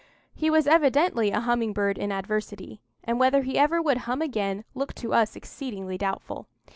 He was evidently a humming bird in adversity, and whether he ever would hum again looked to us exceedingly doubtful.